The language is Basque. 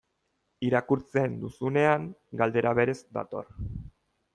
Irakurtzen duzunean, galdera berez dator.